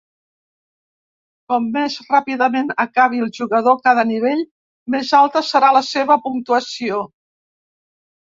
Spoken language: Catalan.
Com més ràpidament acabi el jugador cada nivell, més alta serà la seva puntuació.